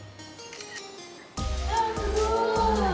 あっすごい。